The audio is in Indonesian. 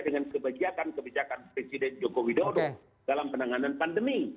dengan kebijakan kebijakan presiden joko widodo dalam penanganan pandemi